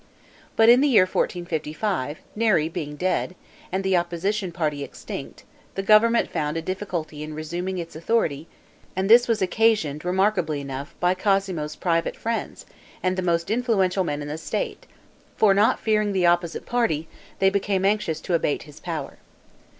But in the year 1455, Neri being dead, and the opposition party extinct, the government found a difficulty in resuming its authority; and this was occasioned, remarkably enough, by Cosmo's private friends, and the most influential men in the state; for, not fearing the opposite party, they became anxious to abate his power.